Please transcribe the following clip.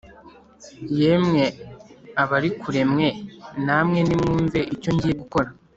Yemwe abari kure mwe namwe nimwumve icyo ngiye gukora